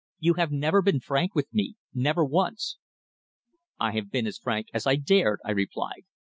You have never been frank with me never once!" "I have been as frank as I dared," I replied.